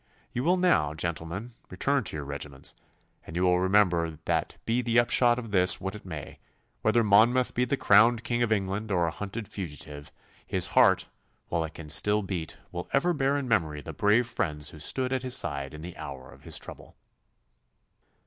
You will now, gentlemen, return to your regiments, and you will remember that be the upshot of this what it may, whether Monmouth be the crowned King of England or a hunted fugitive, his heart, while it can still beat, will ever bear in memory the brave friends who stood at his side in the hour of his trouble.